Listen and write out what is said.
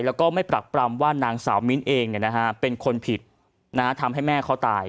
แล้วก็ไม่ปรักปรำว่านางสาวมิ้นเองเป็นคนผิดทำให้แม่เขาตาย